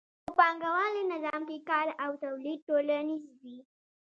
په پانګوالي نظام کې کار او تولید ټولنیز وي